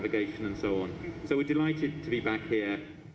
jadi kami senang untuk kembali ke sini